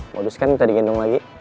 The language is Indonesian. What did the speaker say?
modus kan kita digendong lagi